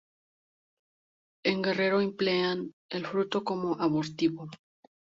En Guerrero emplean el fruto como abortivo.